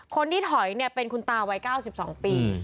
คนที่ถอยเป็นคุณตาวัย๙๒ปี